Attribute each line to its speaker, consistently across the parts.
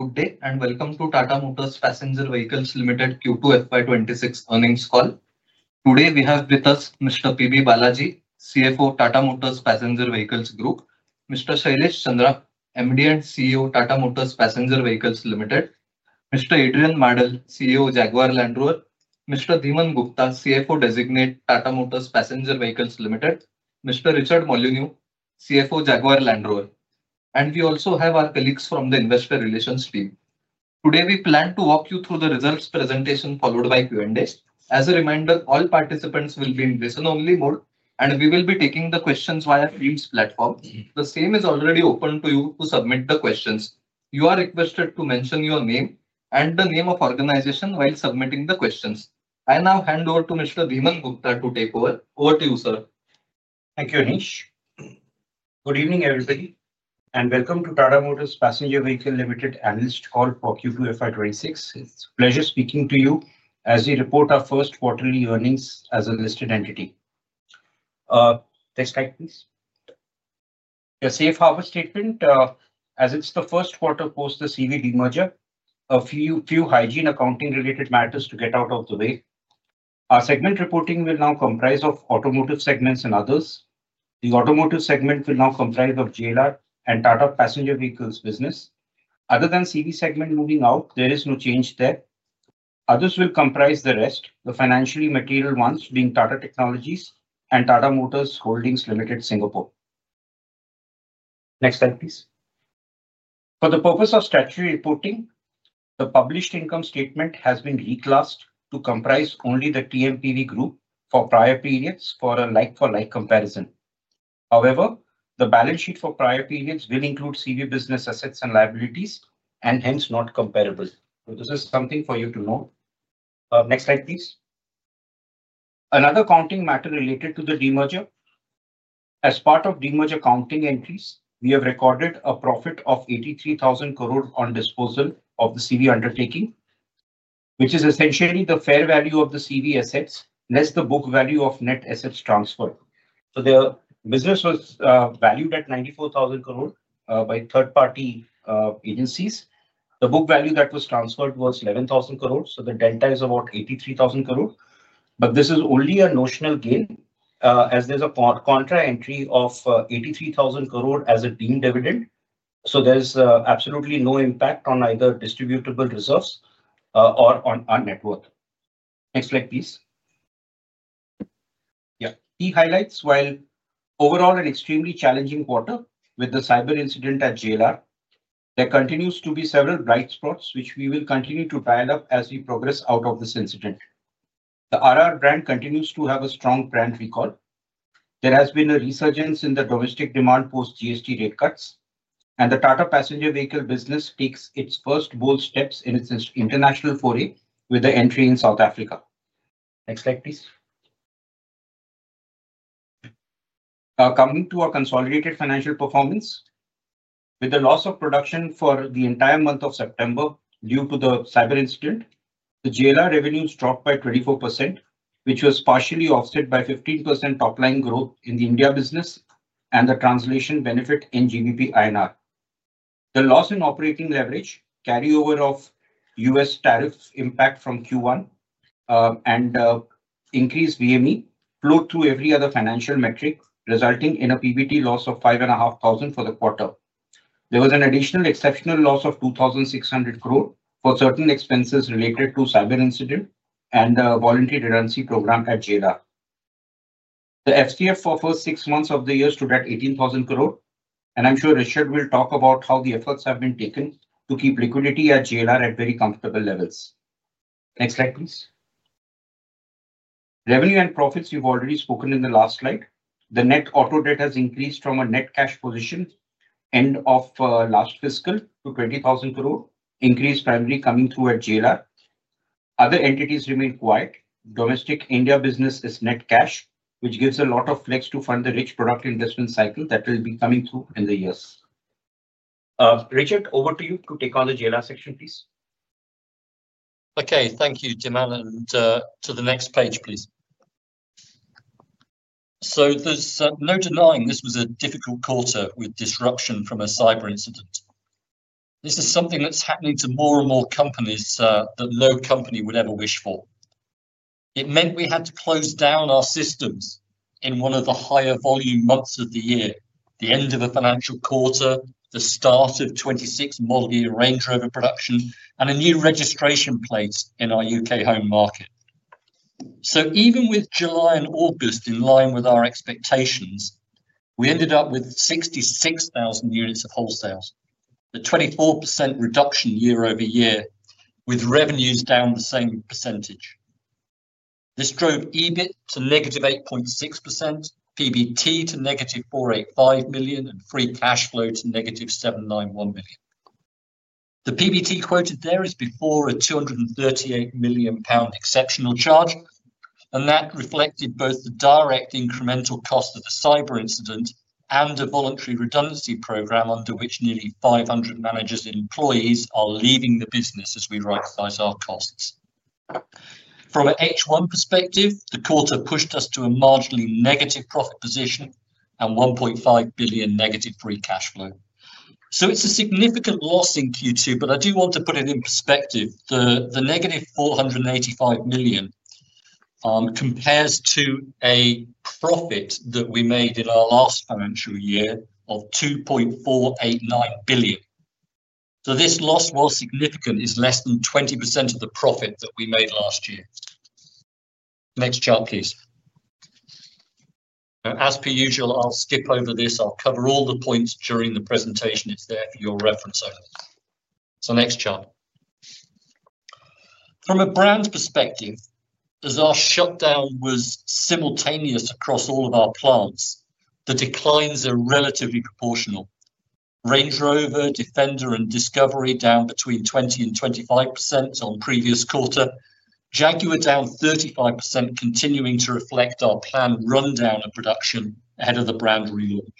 Speaker 1: Good day and welcome to Tata Motors Passenger Vehicles Limited Q2FY26 earnings call. Today we have with us Mr. P.B. Balaji, CFO, Tata Motors Passenger Vehicles Group, Mr. Shailesh Chandra, MD and CEO, Tata Motors Passenger Vehicles Limited, Mr. Adrian Mardell, CEO, Jaguar Land Rover, Mr. Dhiman Gupta, CFO designate, Tata Motors Passenger Vehicles Limited, Mr. Richard Molyneux, CFO, Jaguar Land Rover, and we also have our colleagues from the investor relations team. Today we plan to walk you through the results presentation followed by Q and A. As a reminder, all participants will be in listen-only mode and we will be taking the questions via Teams platform. The same is already open to you. To submit the questions, you are requested to mention your name and the name of organization while submitting the questions. I now hand over to Mr. Dhiman Gupta to take over. Over to you, sir.
Speaker 2: Thank you, Anish. Good evening everybody and welcome to Tata Motors Passenger Vehicles Limited analyst call for Q2FY26. It's a pleasure speaking to you as we report our first quarterly earnings as a listed entity. Next slide please. The safe harbor statement. As it's the first quarter post the CVD merger, a few hygiene accounting related matters to get out of the way. Our segment reporting will now comprise automotive segments and others. The automotive segment will now comprise JLR and Tata Passenger Vehicles. Business other than CV segment moving out, there is no change there. Others will comprise the rest, the financially material ones being Tata Technologies and Tata Motors Holdings Limited Singapore. Next slide please. For the purpose of statutory reporting, the published income statement has been reclassed to comprise only the TMPV group for prior periods for a like-for-like comparison. However, the balance sheet for prior periods will include CV business assets and liabilities and hence not comparable. This is something for you to note. Next slide please. Another accounting matter related to the demerger. As part of demerger accounting entries we have recorded a profit of 83,000 crore on disposal of the CV undertaking which is essentially the fair value of the CV assets less the book value of net assets transferred. The business was valued at 94,000 crore by third party agencies. The book value that was transferred was 11,000 crore. The delta is about 83,000 crore. This is only a notional gain as there is a contra entry of 83,000 crore as a deemed dividend. There is absolutely no impact on either distributable reserves or on our net worth. Next slide please. Yeah, key highlights. While overall an extremely challenging quarter with the cyber incident at JLR, there continues to be several bright spots which we will continue to dial up as we progress out of this incident. The RR brand continues to have a strong brand recall. There has been a resurgence in the domestic demand post GST rate cuts and the Tata passenger vehicle business takes its first bold steps in its international foray with the entry in South Africa. Next slide please. Coming to our consolidated financial performance, with the loss of production for the entire month of September due to the cyber incident, the JLR revenues dropped by 24% which was partially offset by 15% top line growth in the India business and the translation benefit in GBP, INR. The loss in operating leverage, carryover of U.S. tariff impact from Q1 and increase VME flowed through every other financial metric resulting in a PBT loss of 5,500 crore for the quarter. There was an additional exceptional loss of 2,600 crore for certain expenses related to cyber incident and voluntary redundancy program at JLR. The FCF for first six months of the year stood at 18,000 crore and I'm sure Richard will talk about how the efforts have been taken to keep liquidity at JLR at very comfortable levels. Next slide please. Revenue and profits. You've already spoken in the last slide. The net auto debt has increased from a net cash position end of last fiscal to 20,000 crore increase primary coming through at JLR. Other entities remain quiet. Domestic India business is net cash which gives a lot of flex to fund the rich product investment cycle that will be coming through in the years. Richard, over to you to take on the JLR section please.
Speaker 3: Okay, thank you Dhiman. To the next page please. There is no denying this was a difficult quarter with disruption from a cyber incident. This is something that is happening to more and more companies that no company would ever wish for. It meant we had to close down our systems in one of the higher volume months of the year. The end of a financial quarter, the start of 2026 model year Range Rover production and a new registration plate in our U.K. home market. Even with July and August in line with our expectations, we ended up with 66,000 units of wholesales. The 24% reduction year over year with revenues down the same percentage. This drove EBIT to -8.6%, PBT to -485 million and free cash flow to -791 million. The PBT quoted there is before a 238 million pound exceptional charge and that reflected both the direct incremental cost of the cyber incident and a voluntary redundancy program under which nearly 500 managers and employees are leaving the business as we right size our costs. From an H1 perspective, the quarter pushed us to a marginally negative profit position and 1.5 billion negative free cash flow. It is a significant loss in Q2. I do want to put it in perspective. The -485 million compares to a profit that we made in our last financial year of 2.489 billion. This loss, while significant, is less than 20% of the profit that we made last year. Next chart please. As per usual, I'll skip over this. I'll cover all the points during the presentation. It is there for your reference. Next chart from a brand perspective, as our shutdown was simultaneous across all of our plants, the declines are relatively proportional. Range Rover, Defender, and Discovery down between 20%-25% on previous quarter. Jaguar down 35%, continuing to reflect our planned rundown of production ahead of the brand relaunch.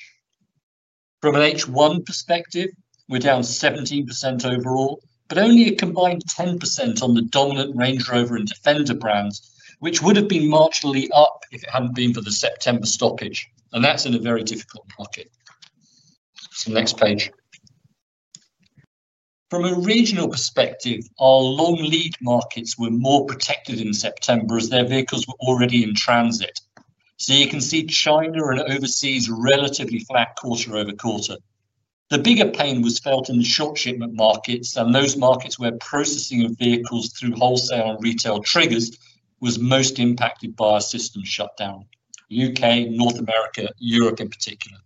Speaker 3: From an H1 perspective, we're down 17% overall, but only a combined 10% on the dominant Range Rover and Defender brands, which would have been marginally up if it had not been for the September stoppage. That is in a very difficult market. Next page. From a regional perspective, our long lead markets were more protected in September as their vehicles were already in transit. You can see China and overseas relatively flat quarter over quarter. The bigger pain was felt in the short shipment markets and those markets where processing of vehicles through wholesale and retail triggers was most impacted by a system shutdown. U.K., North America, Europe in particular.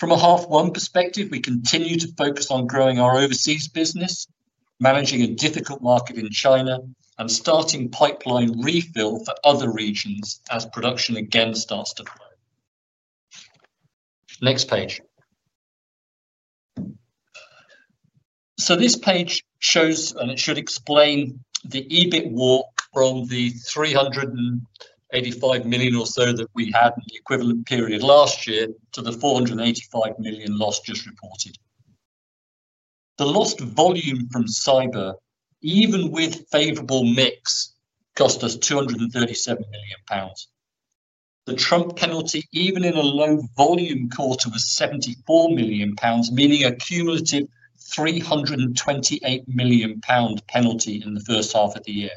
Speaker 3: From a half one perspective we continue to focus on growing our overseas business, managing a difficult market in China and starting pipeline refill for other regions as production again starts to flow. Next page. This page shows and it should explain the EBIT war from the 385 million or so that we had in the equivalent period last year to the 485 million loss just reported. The lost volume from cyber even with favorable mix cost us 237 million pounds. The Trump penalty even in a low volume quarter was 74 million pounds, meaning a cumulative 328 million pound penalty in the first half of the year.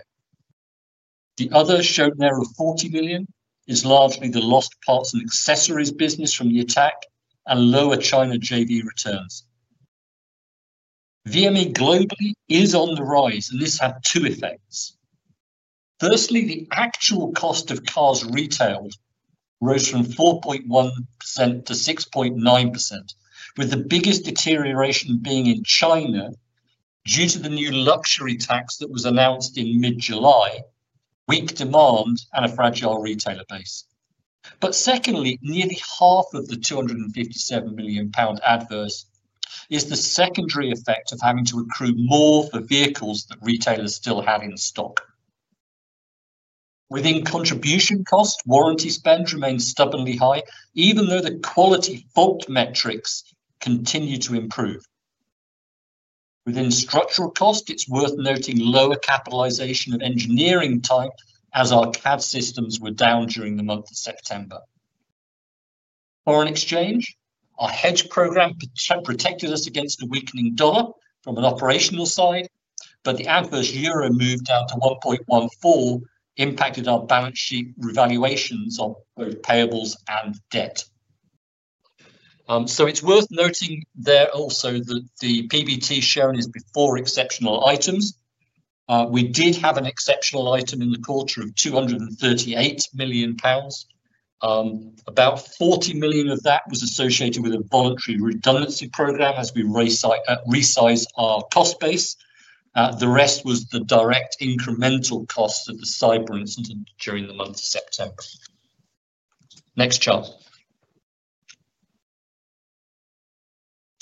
Speaker 3: The other shortfall there of 40 million is largely the lost parts and accessories business from the attack and lower China JV returns. VME globally is on the rise and this had two effects. Firstly, the actual cost of cars retailed rose from 4.1% to 6.9% with the biggest deterioration being in China due to the new luxury tax that was announced in mid July, weak demand, and a fragile retailer base. Secondly, nearly half of the 257 million pound adverse is the secondary effect of having to accrue more for vehicles that retailers still had in stock. Within contribution cost, warranty spend remained stubbornly high even though the quality fault metrics continue to improve within structural cost. It's worth noting lower capitalization of engineering time as our CAD systems were down during the month of September. Foreign exchange, our hedge program protected us against the weakening dollar from an operational side. The adverse Euro move down to 1.14 impacted our balance sheet revaluations on both payables and debt. It's worth noting there also that the PBT shown is before exceptional items. We did have an exceptional item in the quarter of 238 million pounds. About 40 million of that was associated with a voluntary redundancy program. As we resize our cost base, the rest was the direct incremental cost of the cyber incident during the month of September. Next chart.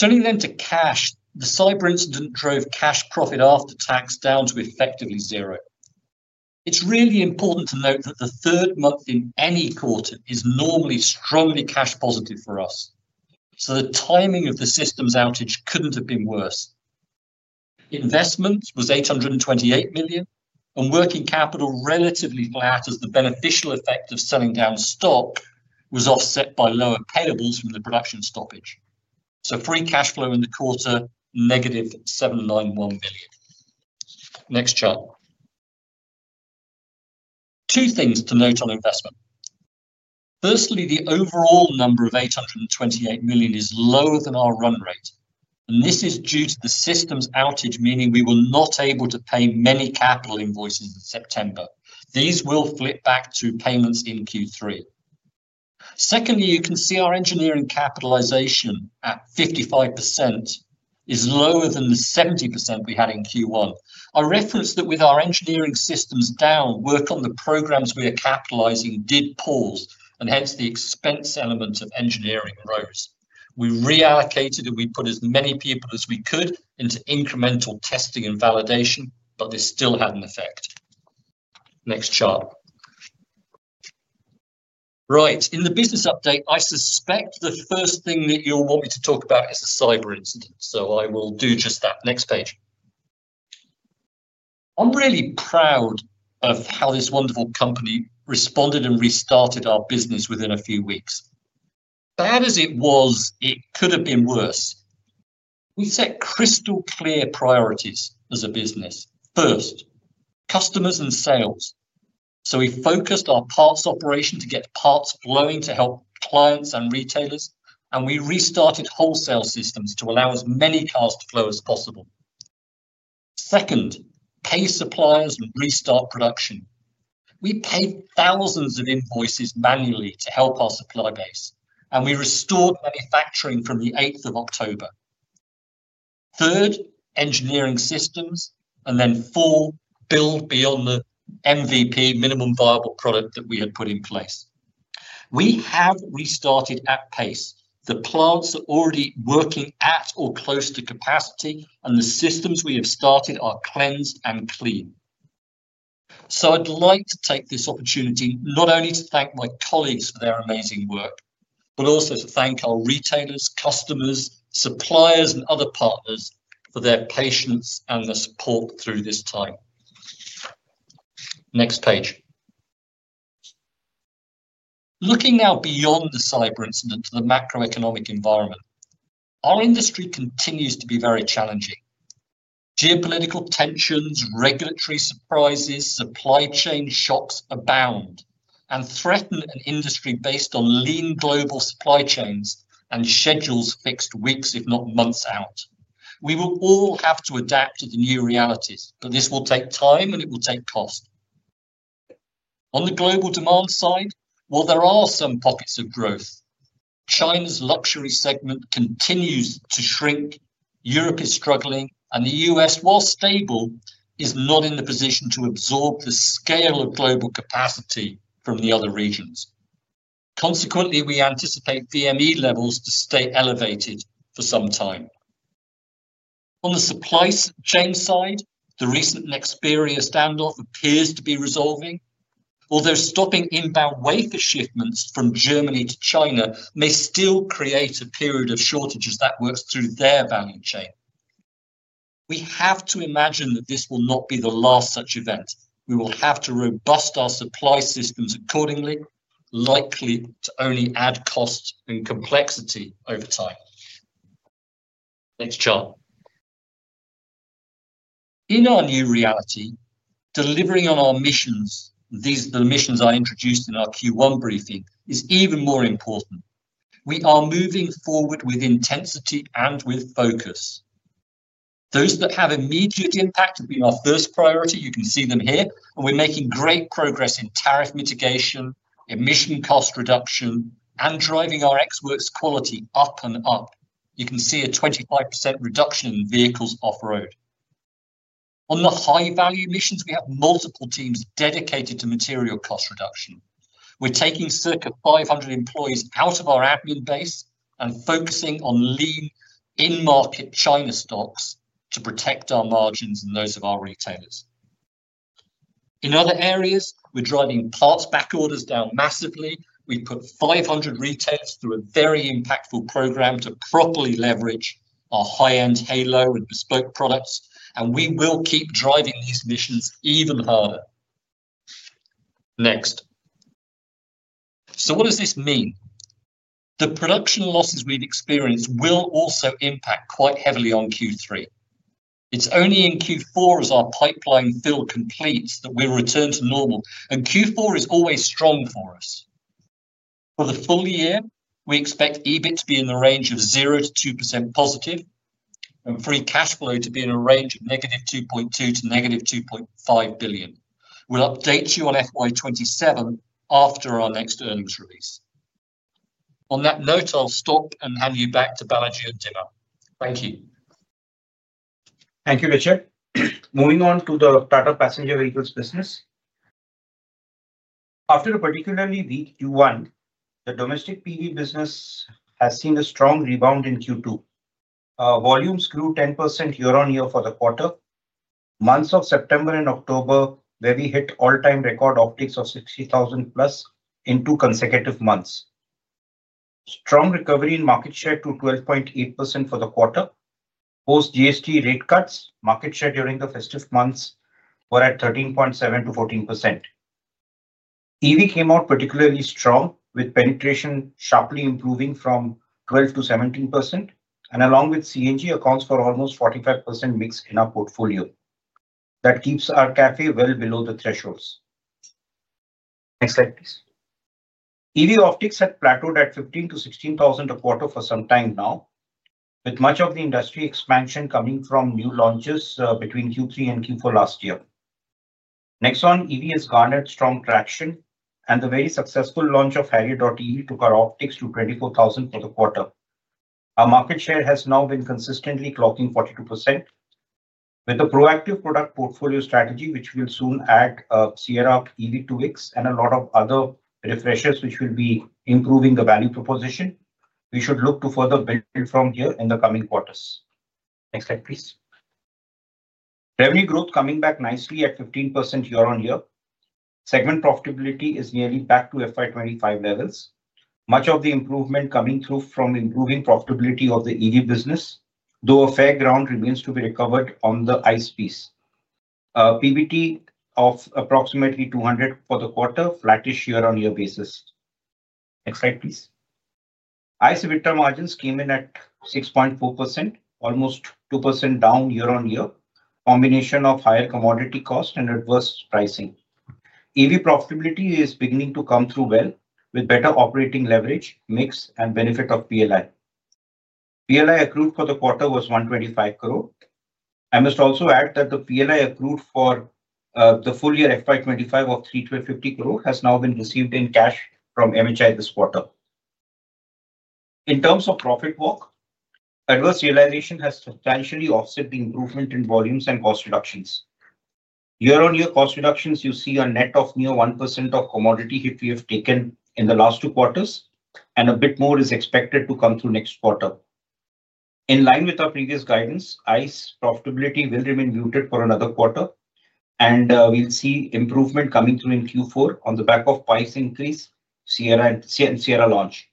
Speaker 3: Turning then to cash, the cyber incident drove cash profit after tax down to effectively zero. It's really important to note that the third month in any quarter is normally strongly cash positive for us, so the timing of the system's outage couldn't have been worse. Investments was 828 million and working capital relatively flat as the beneficial effect of selling down stock was offset by lower payables from the production stoppage. Free cash flow in the quarter -791 million. Next chart. Two things to note on investment. Firstly, the overall number of 828 million is lower than our run rate and this is due to the system's outage, meaning we were not able to pay many capital invoices in September. These will flip back to payments in Q3. Secondly, you can see our engineering capitalization at 55% is lower than the 70% we had in Q1. I referenced that with our engineering systems down, work on the programs we are capitalizing did pause and hence the expense element of engineering rose. We reallocated and we put as many people as we could into incremental testing and validation, but this still had an effect. Next chart, right, in the business update. I suspect the first thing that you'll want me to talk about is a cyber incident, so I will do just that. Next page. I'm really proud of how this wonderful company responded and restarted our business within a few weeks. Bad as it was, it could have been worse. We set crystal clear priorities as a business: first, customers and sales. We focused our parts operation to get parts flowing to help clients and retailers, and we restarted wholesale systems to allow as many cars to flow as possible. Second, pay suppliers and restart production. We paid thousands of invoices manually to help our supply base, and we restored manufacturing from 8th of October. Third, engineering systems and then full build beyond the MVP minimum viable product that we had put in place. We have restarted at pace. The plants are already working at or close to capacity, and the systems we have started are cleansed and clean. I would like to take this opportunity not only to thank my colleagues for their amazing work, but also to thank our retailers, customers, suppliers, and other partners for their patience and their support through this time. Next page. Looking now beyond the cyber incident to the macroeconomic environment, our industry continues to be very challenging. Geopolitical tensions, regulatory surprises, supply chain shocks abound and threaten an industry based on lean global supply chains and schedules fixed weeks if not months out. We will all have to adapt to the new realities. This will take time and it will take cost. On the global demand side, there are some pockets of growth. China's luxury segment continues to shrink, Europe is struggling and the U.S., while stable, is not in the position to absorb the scale of global capacity from the other regions. Consequently, we anticipate VME levels to stay elevated for some time. On the supply chain side, the recent Nexperia standoff appears to be resolving. Although stopping inbound wafer shipments from Germany to China may still create a period of shortage, as that works through their value chain, we have to imagine that this will not be the last such event. We will have to robust our supply systems accordingly, likely to only add cost and complexity over time. Next chart in our new reality. Delivering on our Missions, these the missions I introduced in our Q1 briefing, is even more important. We are moving forward with intensity and with focus. Those that have immediate impact have been our first priority. You can see them here and we're making great progress in tariff mitigation, emission cost reduction, and driving our ex-works quality up and up. You can see a 25% reduction in vehicles off road. On the high value missions, we have multiple teams dedicated to material cost reduction. We're taking circa 500 employees out of our admin base and focusing on lean in market China stocks to protect our margins and those of our retailers. In other areas, we're driving parts back orders down massively. We put 500 retailers through a very impactful program to properly leverage our high end halo and bespoke products and we will keep driving these missions even harder. Next. What does this mean? The production losses we've experienced will also impact quite heavily on Q3. It's only in Q4 as our pipeline fill completes that we'll return to normal and Q4 is always strong for us. For the full year we expect EBIT to be in the range of 0%-2% positive and free cash flow to be in a range of -2.2 billion- -2.5 billion. We'll update you on FY2027 after our next earnings release. On that note, I'll stop and hand you back to Balaji and Dhiman. Thank you.
Speaker 2: Thank you, Richard. Moving on to the Tata passenger vehicles business, after particularly the Q1, the domestic PV business has seen a strong rebound in Q2. Volumes grew 10% year on year for the quarter. Months of September and October, where we hit all-time record optics of +60,000 in two consecutive months. Strong recovery in market share to 12.8% for the quarter post GST rate cuts. Market share during the festive months were at 13.7%-14%. EV came out particularly strong with penetration sharply improving from 12% to 17% and along with CNG accounts for almost 45% mix in our portfolio. That keeps our CAFE well below the thresholds. Next slide please. EV optics had plateaued at 15,000-16,000 a quarter for some time now with much of the industry expansion coming from new launches between Q3 and Q4 last year. Nexon EV has garnered strong traction and the very successful launch of Harrier.EV took our optics to 24,000 for the quarter. Our market share has now been consistently clocking 42% with the proactive product portfolio strategy which will soon add Sierra EV, Curvv, and a lot of other refreshers which will be improving the value proposition. We should look to further build from here in the coming quarters. Next slide please. Revenue growth coming back nicely at 15% year on year. Segment profitability is nearly back to FY2025 levels. Much of the improvement coming through from improving profitability of the EV business though a fair ground remains to be recovered on the ICE piece PBT of approximately 200 for the quarter flattish year on year basis. Next slide please. IC Vitra margins came in at 6.4%, almost 2% down year on year, combination of higher commodity cost and adverse pricing. EV profitability is beginning to come through well with better operating leverage, mix, and benefit of PLI. PLI accrued for the quarter was 125 crore. I must also add that the PLI accrued for the full year FY 2025 of 31,250 crore has now been received in cash from MHI this quarter. In terms of profit work, adverse realization has substantially offset the improvement in volumes and cost reductions. Year on year cost reductions, you see a net of near 1% of commodity hit we have taken in the last two quarters, and a bit more is expected to come through next quarter, in line with our previous guidance. ICE profitability will remain muted for another quarter and we'll see improvement coming through in Q4 on the back of price increase. Sierra and Sierra [launch]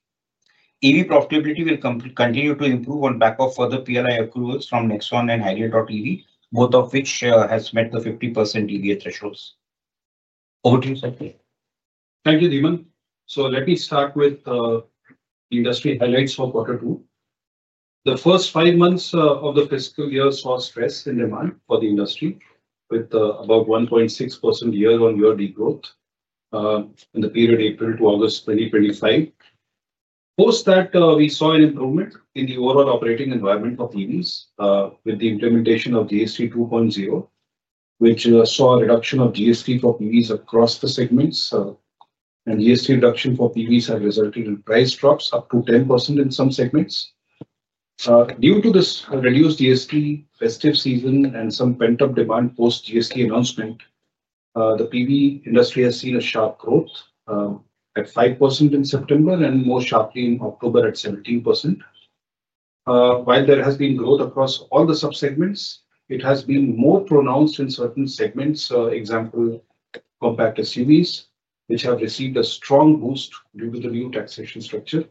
Speaker 2: profitability will continue to improve on back of further PLI approvals from Nexon and Harrier.EV, both of which has met the 50 DBA thresholds. Over to you.
Speaker 4: Thank you Dhiman, so let me start with industry highlights for quarter two. The first five months of the fiscal year saw stress in demand for the industry with about 1.6% year-on-year growth in the period April to August 2025. Post that, we saw an improvement in the overall operating environment of EVs with the implementation of GST 2.0, which saw a reduction of GST for PVs across the segments, and GST reduction for PVs has resulted in price drops up to 10% in some segments. Due to this reduced GST, festive season, and some pent-up demand. Post GST announcement, the PV industry has seen a sharp growth at 5% in September and more sharply in October at 17%. While there has been growth across all the sub segments, it has been more pronounced in certain segments, example compact SUVs which have received a strong boost due to the new taxation structure.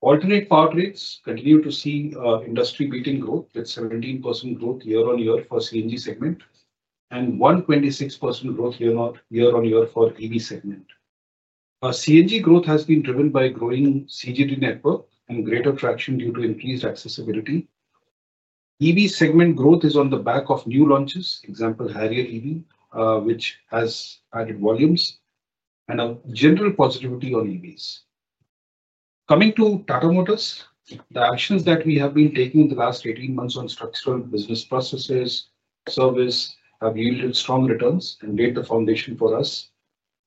Speaker 4: Alternate power rates continue to see industry beating growth with 17% growth year on year for CNG segment and 126% growth year on year for EV segment. CNG growth has been driven by growing CGD network and greater traction due to increased accessibility. EV segment growth is on the back of new launches example Harrier EV which has added volumes and a general positivity on EVs coming to Tata Motors. The actions that we have been taking in the last 18 months on structural business processes service have yielded strong returns and laid the foundation for us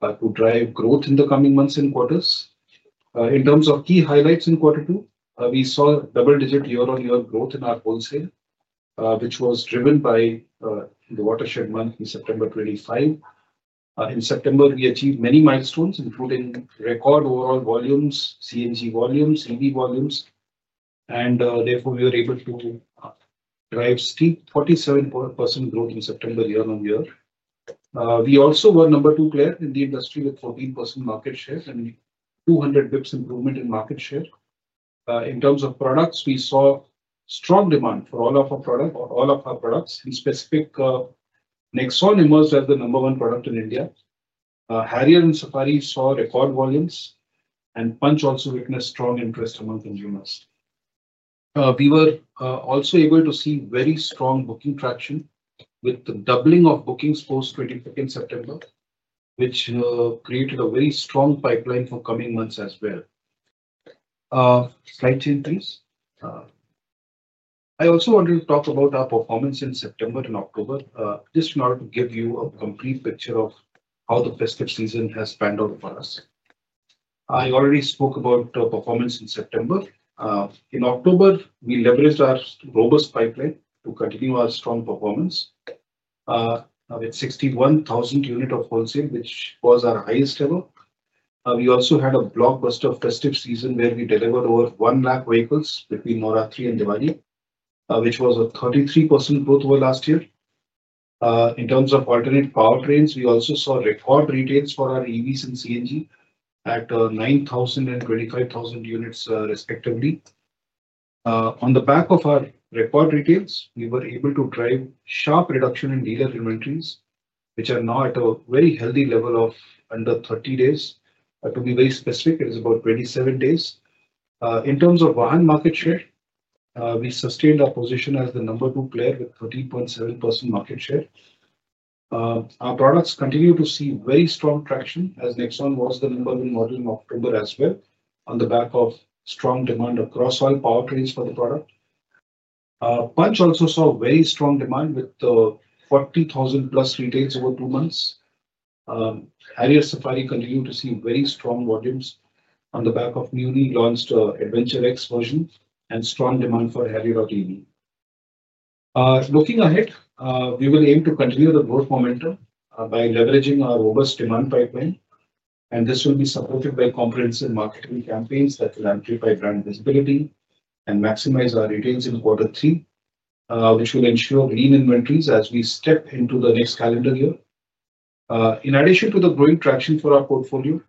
Speaker 4: to drive growth in the coming months and quarters. In terms of key highlights, in quarter two we saw double-digit year-on-year growth in our wholesale which was driven by the watershed month in September 25th. In September we achieved many milestones including record overall volumes, CNG volumes, EV volumes, and therefore we were able to drive steep 47% growth in September year-on-year. We also were number two player in the industry with 14% market share and 200 bps improvement in market share. In terms of products, we saw strong demand for all of our product or. All of our products. In specific, Nexon emerged as the number one product in India. Harrier and Safari saw record volumes and Punch also witnessed strong interest among consumers. We were also able to see very strong booking traction with the doubling of bookings post the 2015 September which created a very strong pipeline for coming months as well. Slide change please. I also wanted to talk about our performance in September and October just in order to give you a complete picture of how the festive season has panned out for us. I already spoke about performance in September. In October we leveraged our robust pipeline to continue our strong performance with 61,000 units of wholesale which was our highest level. We also had a blockbuster festive season where we delivered over 100,000 vehicles between [Navratri] and Diwali which was a 33% growth over last year. In terms of alternate powertrains, we also saw record retails for our EVs and CNG at 9,000 and 25,000 units respectively. On the back of our record retails, we were able to drive sharp reduction in dealer inventories, which are now at a very healthy level of under 30 days. To be very specific, it is about 27 days. In terms of market share, we sustained our position as the number two player with 13.7% market share. Our products continue to see very strong traction as Nexon was the number one model in October as well, on the back of strong demand across all powertrains for the product. Punch also saw very strong demand with 40,000 plus retails over two months. Harrier and Safari continued to see very strong volumes on the back of newly launched Adventure X version and strong demand for Harrier.EV. Looking ahead, we will aim to continue the growth momentum by leveraging our robust demand pipeline, and this will be supported by comprehensive marketing campaigns that will amplify brand visibility and maximize our retails in quarter three, which will ensure green inventories as we step into the next calendar year. In addition to the growing traction for our portfolio,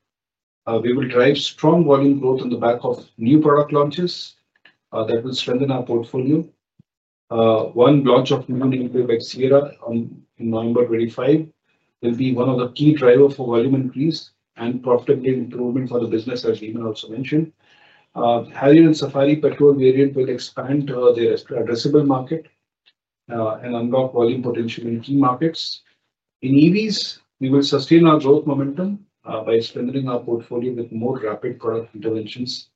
Speaker 4: we will drive strong volume growth on the back of new product launches that will strengthen our portfolio. One launch of new Nexon and Sierra on November 25 will be one of the key drivers for volume increase and profitability improvement for the business. As Dhiman also mentioned, Harrier and Safari petrol variant will expand their addressable market and unlock volume potential in key markets. In EVs, we will sustain our growth momentum by strengthening our portfolio with more rapid product interventions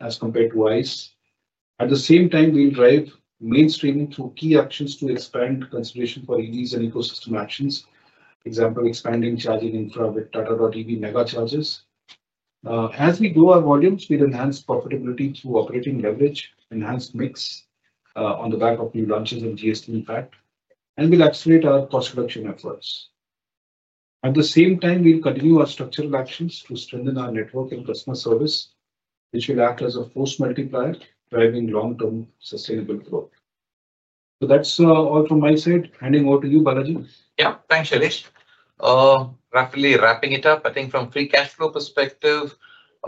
Speaker 4: as compared to ICE. At the same time we'll drive mainstreaming through key actions to expand consideration for EVs and ecosystem actions. Example expanding charging infra with Tata EV Mega Charges. As we grow our volumes, we'll enhance profitability through operating leverage, enhanced mix on the back of new launches and GST impact, and will accelerate our cost reduction efforts. At the same time, we'll continue our structural actions to strengthen our network and customer service, which will act as a force multiplier driving long term sustainable growth. That's all from my side handing over to you, Balaji.
Speaker 5: Yeah, thanks, Shailesh. Roughly wrapping it up, I think from free cash flow perspective,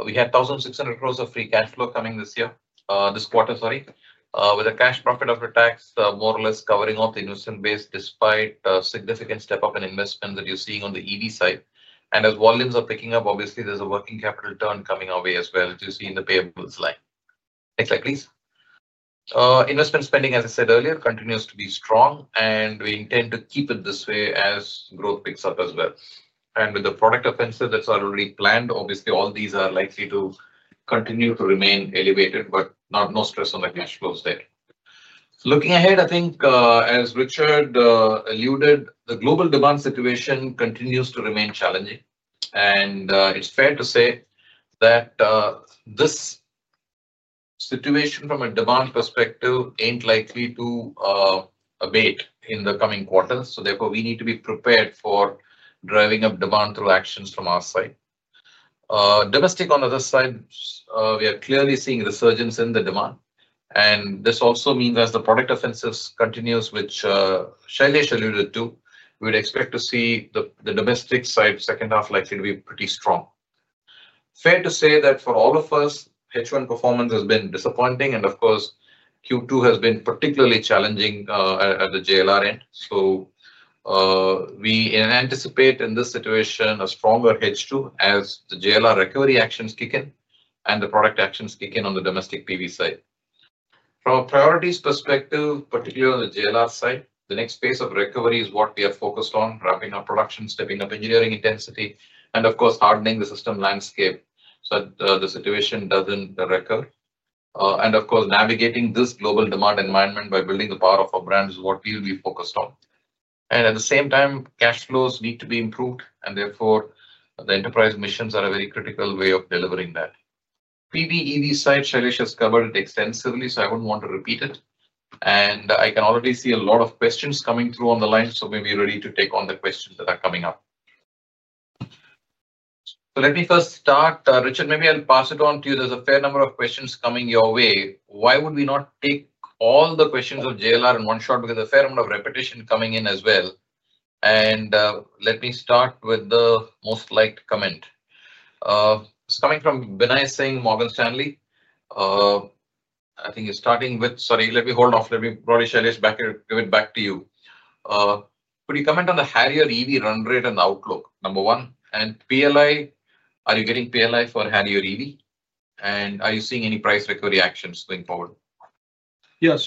Speaker 5: we had 1,600 crore of free cash flow coming this year, this quarter, sorry, with a cash profit after tax more or less covering off the investment base despite significant step up in investment that you are seeing on the EV side, and as volumes are picking up, obviously there is a working capital turn coming our way as well as you see in the payables line. Next slide please. Investment spending, as I said earlier, continues to be strong and we intend to keep it this way as growth picks up as well, and with the product offensive that is already planned, obviously all these are likely to continue to remain elevated, but no stress on the cash flows there. Looking ahead, I think as Richard alluded, the global demand situation continues to remain challenging and it's fair to say that this situation from a demand perspective ain't likely to abate in the coming quarters. Therefore we need to be prepared for driving up demand through actions from our side domestic. On the other side we are clearly seeing resurgence in the demand. This also means as the product offensive continues, which Shailesh alluded to, we would expect to see the domestic side second half likely to be pretty strong. Fair to say that for all of us H1 performance has been disappointing and of course Q2 has been particularly challenging at the JLR end. We anticipate in this situation a stronger H2 as the JLR recovery actions kick in and the product actions kick in. On the domestic PV side from a priorities perspective, particularly on the JLR side, the next phase of recovery is what we are focused on. Ramping up production, stepping up engineering intensity, and of course hardening the system landscape so the situation does not recur. Of course, navigating this global demand environment by building the power of our brands is what we will be focused on. At the same time, cash flows need to be improved and therefore the enterprise missions are a very critical way of delivering that PBT side. Shailesh has covered it extensively, so I would not want to repeat it. I can already see a lot of questions coming through on the line. Maybe ready to take on the questions that are coming up. Let me first start, Richard, maybe I will pass it on to you. There's a fair number of questions coming your way. Why would we not take all the questions of JLR in one shot? Because a fair amount of repetition coming in as well. Let me start with the most liked comment. It's coming from Binay Singh, Morgan Stanley, I think he's starting with. Sorry, let me hold off. Let me probably share this back here. Give it back to you. Could you comment on the Harrier EV run rate and outlook number one and PLI? Are you getting PLI for Harrier EV and are you seeing any price recovery actions going forward?
Speaker 4: Yeah. As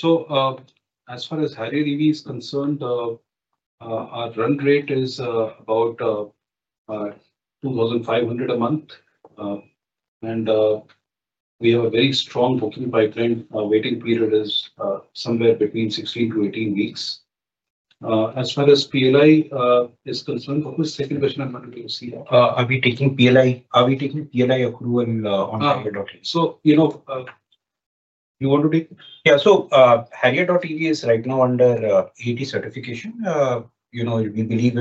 Speaker 4: far as Harrier EV is concerned, our run rate is about 2,500 a month and we have a very strong booking pipeline. Waiting period is somewhere between 16-18 weeks. As far as PLI is concerned,
Speaker 2: are we taking PLI? Are we taking PLI accrual on?
Speaker 4: You know you want to take.
Speaker 2: Yeah. Harrier.EV is right now under 80 certification, you know, we believe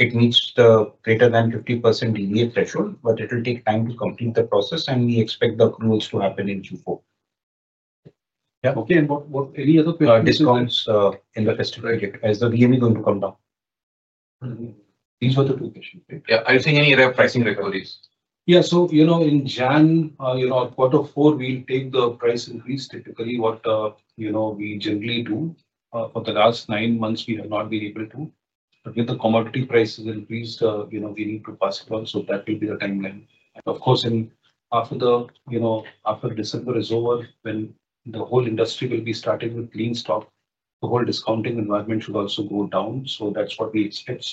Speaker 2: meets the greater than 50% DBA threshold, but it will take time to complete the process and we expect the accruals to happen in Q4.
Speaker 4: Yeah. Okay. And what, what any other discounts in the, is the VME going to come down? These were the two question.
Speaker 5: Yeah. Are you seeing any pricing recoveries?
Speaker 4: Yeah. So you know, in January, you know, quarter four we'll take the price increase. Typically what you know, we generally do for the last nine months we have not been able to but with the commodity prices increased, you know we need to pass it on. That will be the timeline and of course in after the, you know, after December is over when the whole industry will be starting with clean stock, the whole discounting environment should also go down. That's what we expect.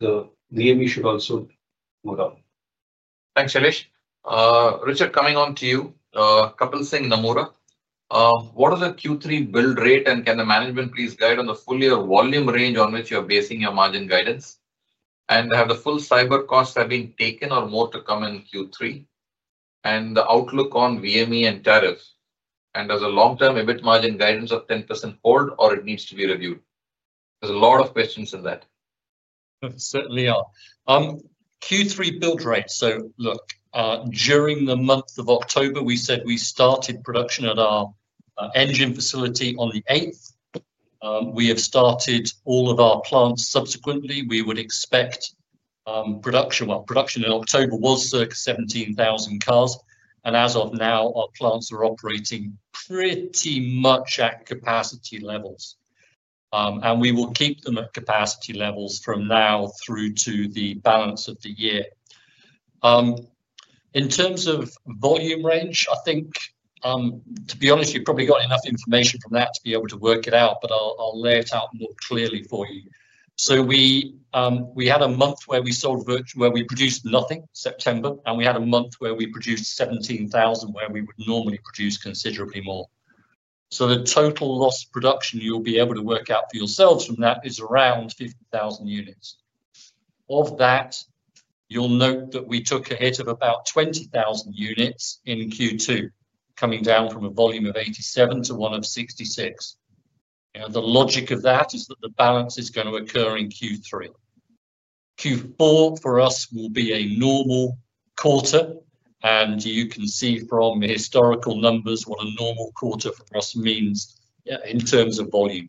Speaker 4: The DME should also go down.
Speaker 5: Thanks Shailesh. Richard, coming on to you. Kapil Singh, Nomura. What is the Q3 build rate and can the management please guide on the full year volume range on which you're basing your margin guidance and have the full cyber costs have been taken or more to come in Q3 and the outlook on VME and tariff and does a long term EBIT margin guidance of 10% hold or it needs to be reviewed. There's a lot of questions in that.
Speaker 3: Certainly are. Q3 build rate. During the month of October, we said we started production at our engine facility. On the 8th, we have started all of our plants. Subsequently, we would expect production. Production in October was circa 17,000 cars. As of now, our plants are operating pretty much at capacity levels. We will keep them at capacity levels from now through to the balance of the year. In terms of volume range, I think, to be honest, you probably got enough information from that to be able to work it out. I'll lay it out more clearly for you. We had a month where we sold virtual, where we produced nothing, September, and we had a month where we produced 17,000, where we would normally produce considerably more. The total loss production you'll be able to work out for yourselves from that is around 50,000 units. Of that, you'll note that we took a hit of about 20,000 units in Q2, coming down from a volume of 87 to one of 66. The logic of that is that the balance is going to occur in Q3. Q4 for us will be a normal quarter and you can see from historical numbers what a normal quarter for us means in terms of volume.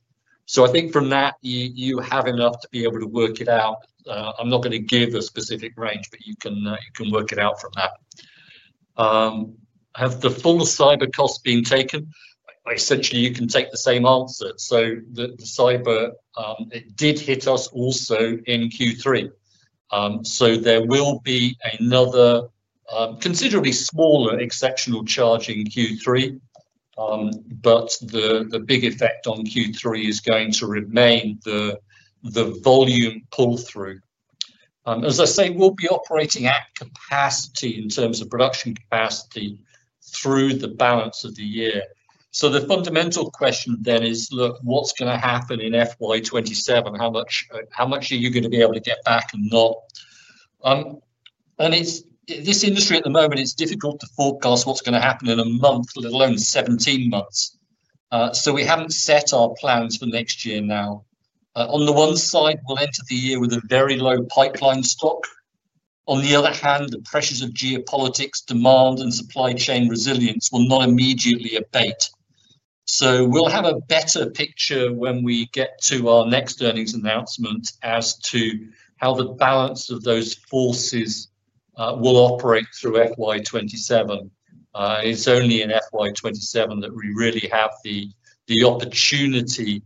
Speaker 3: I think from that you have enough to be able to work it out. I'm not going to give a specific range, but you can work it out from that. Have the full cyber cost been taken? Essentially you can take the same answer. The cyber, it did hit us also in Q3. There will be another considerably smaller exceptional charge in Q3. The big effect on Q3 is going to remain the volume pull through. As I say, we'll be operating at capacity in terms of production capacity through the balance of the year. The fundamental question then is, look, what's going to happen in FY2027. How much are you going to be able to get back and not. It's this industry at the moment, it's difficult to forecast what's going to happen in a month, let alone 17 months. We haven't set our plans for next year. On the one side, we'll enter the year with a very low pipeline stock. On the other hand, the pressures of geopolitics, demand, and supply chain resilience will not immediately abate. We will have a better picture when we get to our next earnings announcement as to how the balance of those forces will operate through FY2027. It is only in FY2027 that we really have the opportunity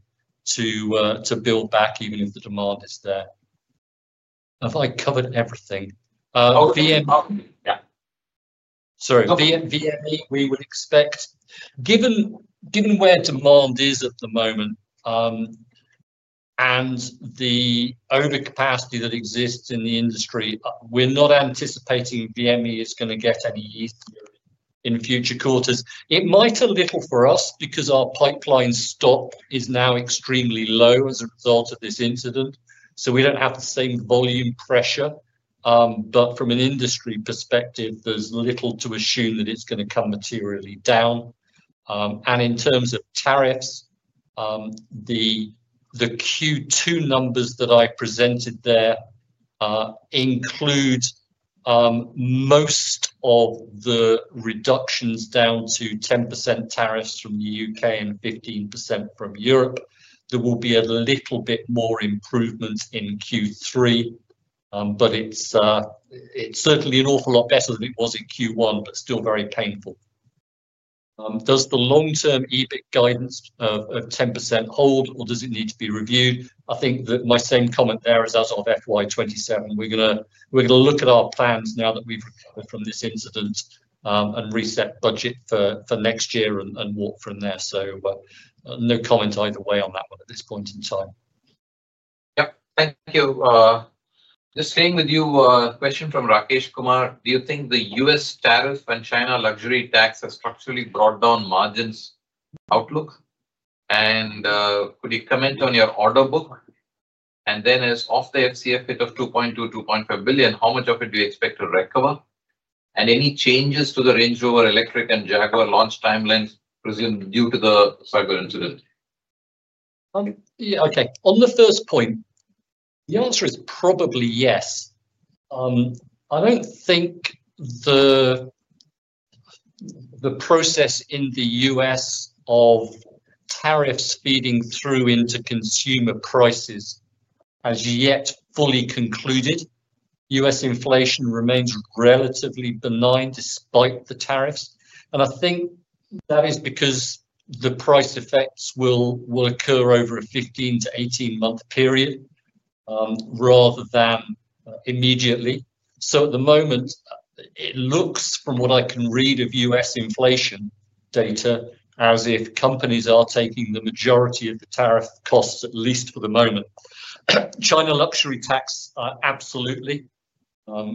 Speaker 3: to build back even if the demand is there. Have I covered everything? Sorry, VME we would expect, given where demand is at the moment and the overcapacity that exists in the industry, we are not anticipating VME is going to get any easier in future quarters. It might a little for us because our pipeline stock is now extremely low as a result of this incident, so we do not have the same volume pressure. From an industry perspective, there is little to assume that it is going to come materially down. In terms of tariffs, the Q2 numbers that I presented there include most of the reductions down to 10% tariffs from the U.K. and 15% from Europe. There will be a little bit more improvement in Q3, but it is certainly an awful lot better than it was in Q1, but still very painful. Does the long term EBIT guidance of 10% hold or does it need to be reviewed? I think that my same comment there is as of FY2027. We are going to look at our plans now that we have recovered from this incident and reset budget for next year and walk from there. No comment either way on that one at this point in time.
Speaker 5: Yep, thank you. Just staying with you. Question from Rakesh Kumar. Do you think the U.S tariff and China luxury tax as structured actually brought down margins outlook? Could you comment on your order book? As of the FCF hit of $2.2 billion-$2.5 billion, how much of it do you expect to recover? Any changes to the Range Rover electric and Jaguar launch timelines presumed due to the cyber incident?
Speaker 3: Okay, on the first point, the answer is probably yes. I do not think the process in the U.S. of tariffs feeding through into consumer prices has yet fully concluded. U.S. inflation remains relatively benign despite the tariffs. I think that is because the price effects will occur over a 15-18 month period rather than immediately. At the moment it looks from what I can read of U.S. inflation data as if companies are taking the majority of the tariff costs at least for the moment. China luxury tax? Absolutely. I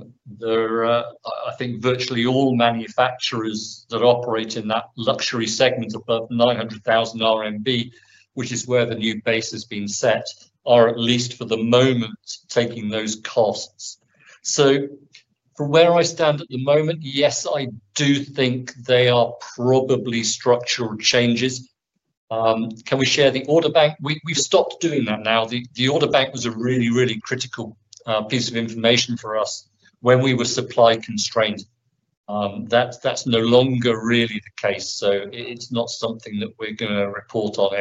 Speaker 3: think virtually all manufacturers that operate in that luxury segment above 900,000 RMB, which is where the new base has been set, are at least for the moment taking those costs. From where I stand at the moment, yes, I do think they are probably structural changes. Can we share the order bank? We've stopped doing that now. The order bank was a really, really critical piece of information for us when we were supply constrained. That's no longer really the case. It is not something that we're going to report on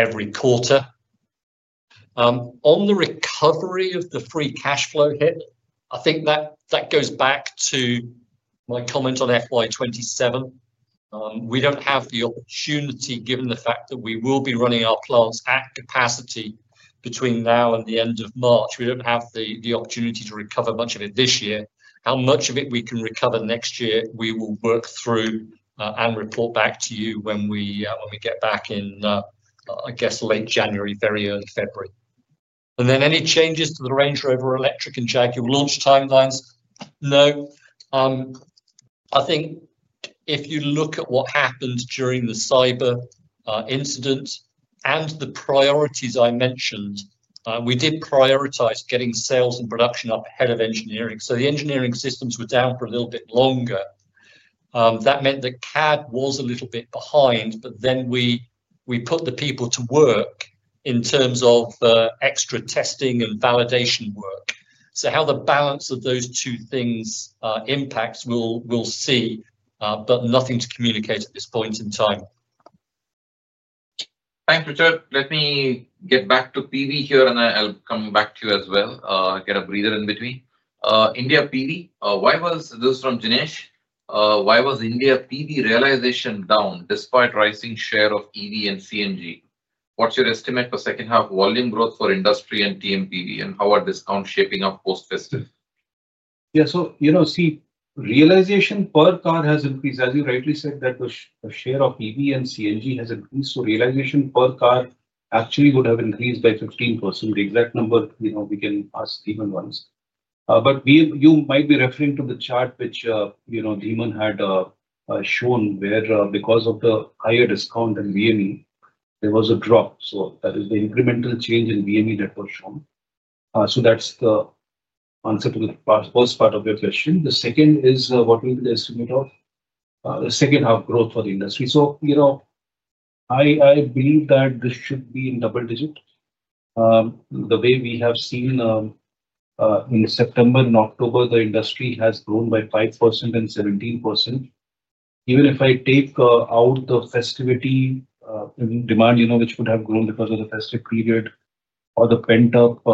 Speaker 3: every quarter on the recovery of the free cash flow hit. I think that goes back to my comment on FY2027. We do not have the opportunity given the fact that we will be running our plants at capacity between now and the end of March. We do not have the opportunity to recover much of it this year. How much of it we can recover next year, we will work through and report back to you when we get back in, I guess, late January, very early February. Any changes to the Range Rover electric and Jaguar launch timelines? No. I think if you look at what happened during the cyber incident and the priorities I mentioned, we did prioritize getting sales and production up ahead of engineering. The engineering systems were down for a little bit longer. That meant that CAD was a little bit behind. We put the people to work in terms of extra testing and validation work. How the balance of those two things impacts, we'll see. Nothing to communicate at this point in time.
Speaker 5: Thanks, Richard. Let me get back to PV here and I'll come back to you as well. Get a breather in between. India PV, why was this from [Shailesh]? Why was India PV realization down despite rising share of EV and CNG? What's your estimate for second half volume growth for industry and TMPV and how are discounts shaping up post festive?
Speaker 4: Yeah, so you know, see, realization per car has increased. As you rightly said, the share of EV and CNG has increased, so realization per car actually would have increased by 15. The exact number, you know, we can ask Dhiman once, but we, you might be referring to the chart which, you know, Dhiman had shown where because of the higher discount in VME, there was a drop. That is the incremental change in VME that was shown. That is the answer to the first part of your question. The second is, what will be the estimate of the second half growth for the industry. You know, I believe that this should be in double digit. The way we have seen in September and October, the industry has grown by 5% and 17%. Even if I take out the festivity demand, you know, which would have grown because of the festive period or the pent up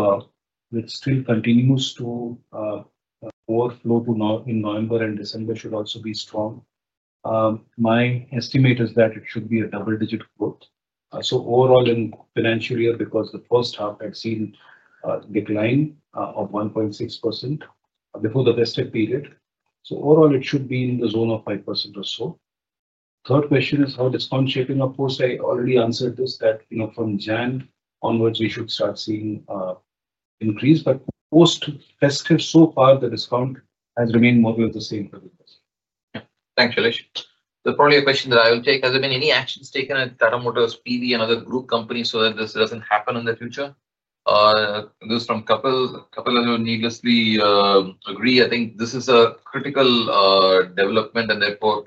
Speaker 4: which still continues to overflow to now in November and December should also be strong. My estimate is that it should be a double digit growth. So overall in financial year because the first half had seen decline of 1.6% before the festive period so overall it should be in the zone of 5% or so. Third question is how discount shaping. Of course I already answered this that you know from January onwards we should start seeing increase but post festive so far the discount has remained more than the same.
Speaker 5: Thanks. Probably a question that I will take: has there been any actions taken at Tata Motors PV and other group companies so that this does not happen in the future? This from a couple of needlessly agree. I think this is a critical development and therefore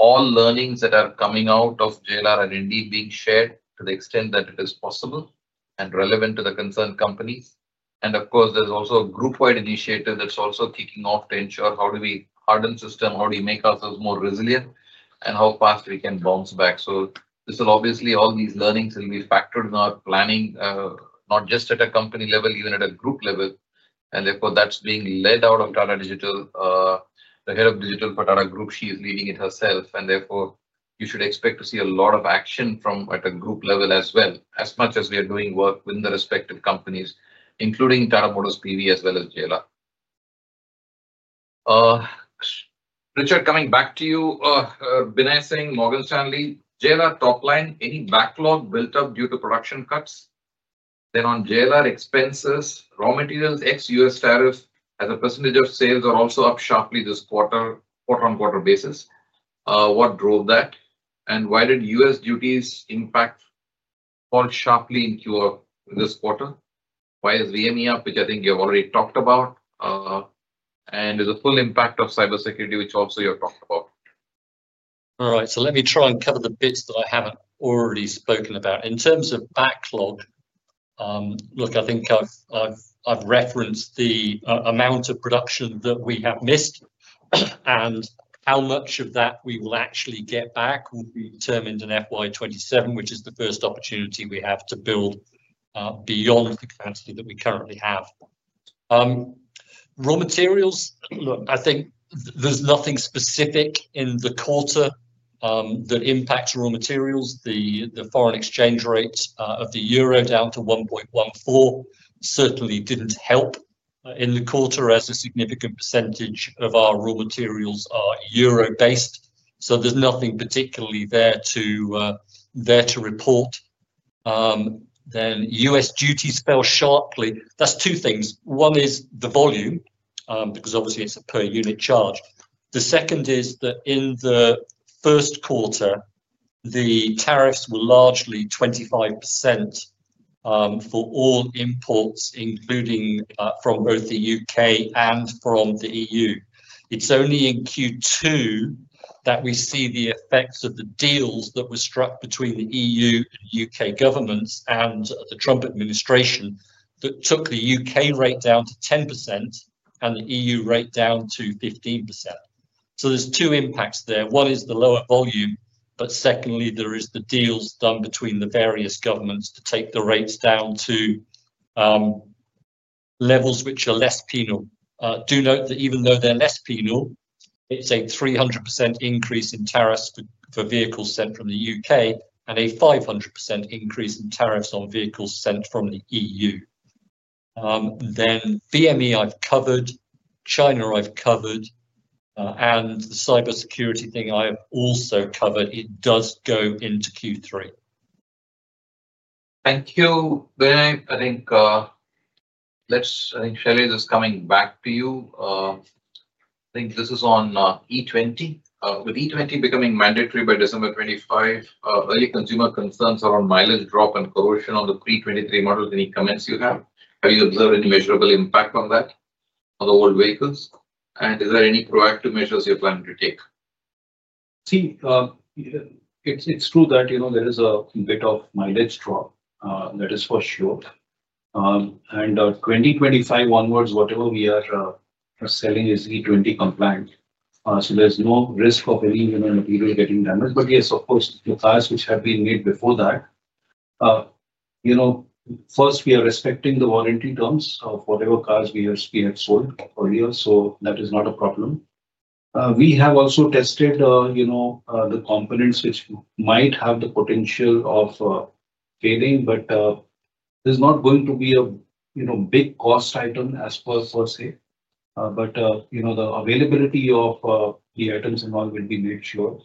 Speaker 5: all learnings that are coming out of JLR are indeed being shared to the extent that it is possible and relevant to the concerned companies. Of course, there is also a group-wide initiative that is also kicking off to ensure how do we harden systems, how do we make ourselves more resilient, and how fast we can bounce back. All these learnings will be factored in our planning not just at a company level, even at a group level, and therefore that is being led out of Tata Digital. The head of Digital for Tata Group, she is leading it herself, and therefore you should expect to see a lot of action from at a group level as well. As much as we are doing work within the respective companies, including Tata Motors, PV, as well as JLR. Richard, coming back to you, Binay Singh, Morgan Stanley, JLR top line, any backlog built up due to production cuts? Then on JLR expenses, raw materials ex U.S. tariff as a percentage of sales are also up sharply this quarter, quarter on quarter basis. What drove that and why did U.S. duties impact fall sharply in Q4 this quarter? Why is VME up, which I think you've already talked about, and is a full impact of cyber security, which also you've talked about.
Speaker 3: All right, so let me try and cover the bits that I have not already spoken about in terms of backlog. Look, I think I have referenced the amount of production that we have missed and how much of that we will actually get back will be determined in FY2027, which is the first opportunity we have to build beyond the capacity that we currently have. Raw materials. Look, I think there is nothing specific in the quarter that impacts raw materials. The foreign exchange rate of the Euro down to 1.14 certainly did not help in the quarter as a significant percentage of our raw materials are Euro based, so there is nothing particularly there to report. U.S. duties fell sharply. That is two things. One is the volume because obviously it is a per unit charge. The second is that in the first quarter the tariffs were largely 25% for all imports, including from both the U.K. and from the EU. It's only in Q2 that we see the effects of the deals that were struck between the EU and U.K. governments and the Trump administration that took the U.K. rate down to 10% and the EU rate down to 15%. There are two impacts there. One is the lower volume, but secondly there is the deals done between the various governments to take the rates down to levels which are less penalty. Do note that even though they're less penal, it's a 300% increase in tariffs for vehicles sent from the U.K. and a 500% increase in tariffs on vehicles sent from the EU. Then BME, I've covered. China, I've covered. And the cybersecurity thing, I have also covered. It does go into Q3.
Speaker 5: Thank you. I think let's. I think Shailesh, coming back to you, I think this is on E20. With E20 becoming mandatory by December 2025, early consumer concerns around mileage drop and corrosion on the pre-2023 models. Any comments you have, have you observed any measurable impact on that on the old vehicles? Is there any proactive measures you're planning to take?
Speaker 4: See, it's, it's true that, you know, there is a bit of mileage drop, that is for sure. In 2025 onwards, whatever we are selling is E20 compliant, so there's no risk. Of any, you know, material getting damaged. Yes, of course, the cars which have been made before that, you know, first we are respecting the warranty terms of whatever cars we have, we have sold earlier, so that is not a problem. We have also tested, you know, the components which might have the potential of failing, but there is not going to be a, you know, big cost item as per se, but, you know, the availability of the items and all will be made sure.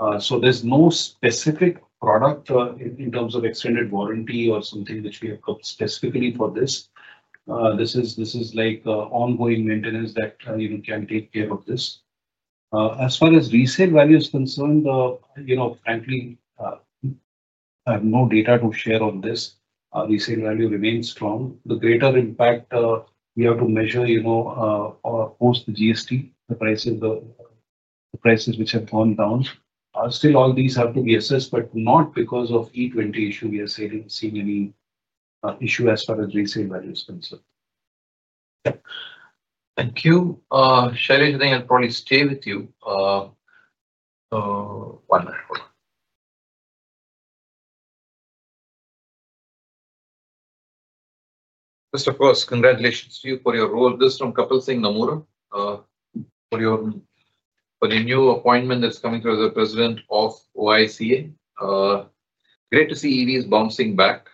Speaker 4: There is no specific product in terms of extended warranty or something which we have specifically for this. This is, this is like ongoing maintenance that you can take care of this. As far as resale value is concerned, you know, frankly, I have no data to share on this. Resale value remains strong. The greater impact we have to measure, you know, or post the GST, the prices, the prices which have gone down still, all these have to be assessed, but not because of E20 issue. We are seeing any issue as far as resale value is concerned.
Speaker 5: Thank you. I'll probably stay with you. First, of course, congratulations to you for your role. This is from Kapil Singh, Nomura, for your new appointment that's coming through. As President of OICA, great to see EV is bouncing back.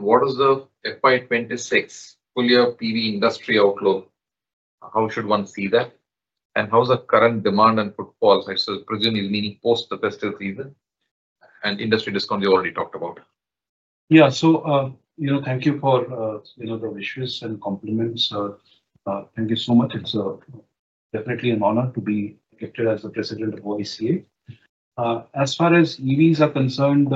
Speaker 5: What is the FY2026 full year PV industry outlook? How should one see that? How is the current demand and footfalls, I presume, meaning post the festival season, and industry discount you already talked about?
Speaker 4: Yeah. So you know, thank you for, you know, the wishes and compliments. Thank you so much. It's definitely an honor to be elected as the president of OICA. As far as EVs are concerned,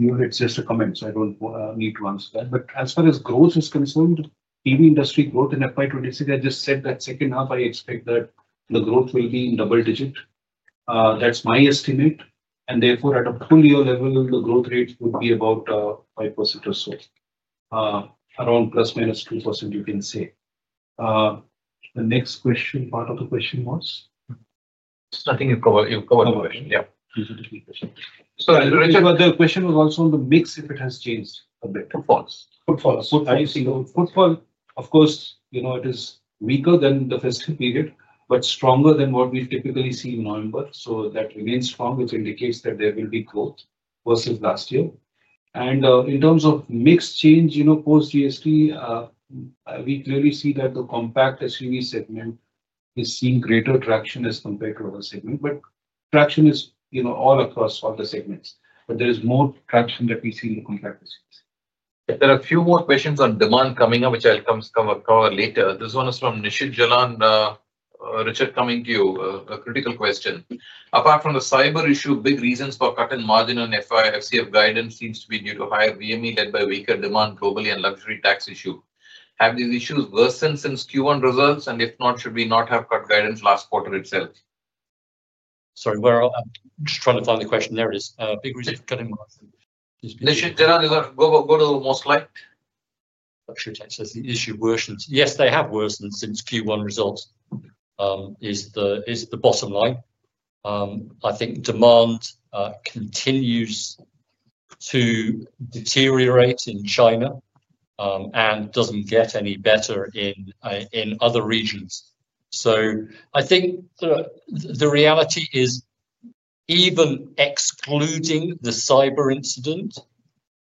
Speaker 4: it's just a comment so I don't need to answer that. As far as growth is concerned, EV industry growth in FY2026, I just said that second half I expect that the growth will be in double digit. That's my estimate. At a full year level. The growth rate would be about 5% or so, around plus minus 2%. You can say the next question part of the question was, I think, yeah, the question was also on the mix if it has changed a bit. Of course, you know, it is weaker than the festival period but stronger than what we typically see in November. That remains strong, which indicates that there will be growth versus last year. In terms of mix change, you know, post GST we clearly see that the compact SUV segment is seeing greater traction as compared to other segments. Traction is, you know, all across all the segments. There is more traction that we see in the compact SUV series.
Speaker 5: There are a few more questions on demand coming up which I'll come across later. This one is from Nishid Jalan. Richard, coming to you. A critical question. Apart from the cyber issue, big reasons for cutting margin on FY FCF guidance seems to be due to higher VME led by weaker demand globally and luxury tax issue. Have these issues worsened since Q1 results and if not should we not have cut guidance last quarter itself?
Speaker 3: Sorry, where? I'm just trying to find the question. There it is.
Speaker 5: Go to the most slide.
Speaker 3: Says the issue worsens. Yes, they have worsened since Q1 results is the bottom line. I think demand continues to deteriorate in China and does not get any better in other regions. I think the reality is even excluding the cyber incident